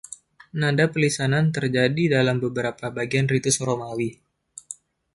Nada pelisanan terjadi dalam beberapa bagian Ritus Romawi.